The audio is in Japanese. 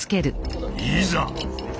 いざ！